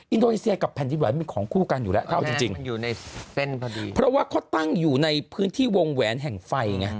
อินโดนีเซียกับแผ่นดินไหวมันของคู่กันอยู่แล้วถ้าเอาจริงเพราะว่าเขาตั้งอยู่ในพื้นที่วงแหวนแห่งไฟไง